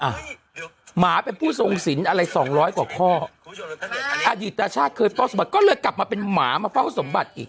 หมาเป็นผู้ทรงสินอะไรสองร้อยกว่าข้ออดีตชาติเคยเฝ้าสมบัติก็เลยกลับมาเป็นหมามาเฝ้าสมบัติอีก